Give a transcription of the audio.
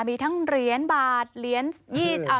มีทั้งเหรียญบาทเหรียญหนึ่ง